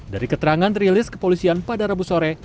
dari keterangan rilis kepolisian pada rabu sore